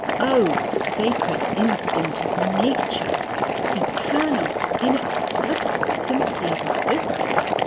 " Oh, sacred instinct of Nature! eternal, inexplicable sympathy of existence